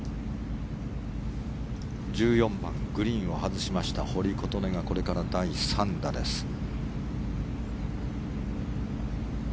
１４番グリーンを外しました堀琴音がこれから第３打です。